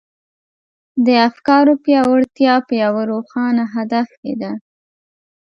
د افکارو پياوړتيا په يوه روښانه هدف کې ده.